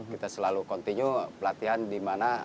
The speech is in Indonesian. kita selalu continue pelatihan dimana